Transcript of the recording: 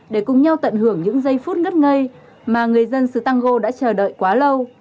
để cùng nhau tận hưởng những giây phút ngất ngây mà người dân xứ tăng go đã chờ đợi quá lâu